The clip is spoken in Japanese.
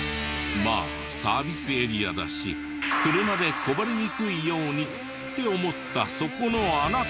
まあサービスエリアだし車でこぼれにくいように。って思ったそこのあなた！